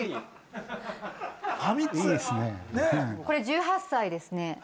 これ１８歳ですね。